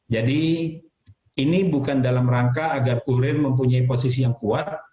ini bukan dalam rangka agar kurir mempunyai posisi yang kuat